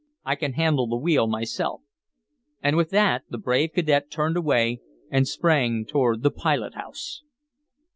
I can handle the wheel myself." And with that the brave cadet turned away and sprang toward the pilot house.